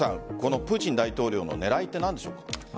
プーチン大統領の狙いって何でしょうか？